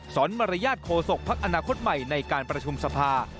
มารยาทโคศกภักดิ์อนาคตใหม่ในการประชุมสภา